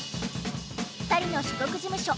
２人の所属事務所